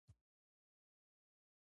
وړه کولمه د خوړو ګټور مواد وینې ته جذبوي